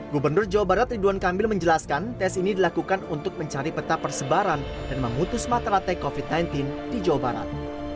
gubernur jawa barat ridwan kamil menjelaskan tes ini dilakukan untuk mencari peta persebaran dan memutus mataratek covid sembilan belas di jawa barat